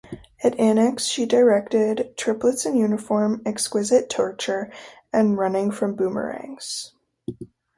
At Annex, she directed "Triplets In Uniform", "Exquisite Torture", and "Running From Boomerangs".